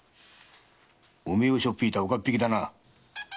おめえをしょっ引いた岡っ引きだな。